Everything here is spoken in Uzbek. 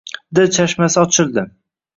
Dil chashmasi ochildi.